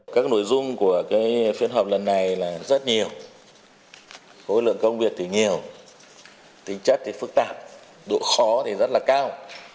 các nội dung của phiên họp lần này là rất nhiều khối lượng công việc thì nhiều tính chất thì phức tạp độ khó thì rất là cao